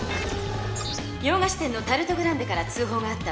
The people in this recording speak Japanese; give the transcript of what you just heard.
洋菓子店のタルト・グランデから通ほうがあったわ。